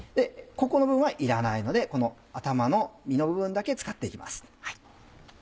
ここの部分はいらないのでこの頭の身の部分だけ使って行きます。